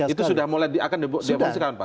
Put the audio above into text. itu sudah mulai akan dioperasikan pak